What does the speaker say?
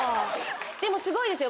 でもすごいですよ